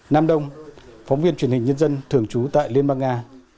nam đông phóng viên truyền hình nhân dân thường trú tại liên bang nga